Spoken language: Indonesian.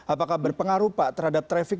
apakah berpengaruh pak terhadap traffic